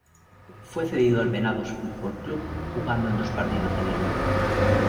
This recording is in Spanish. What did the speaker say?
Fue cedido al Venados Fútbol Club jugando en dos partidos de la liga.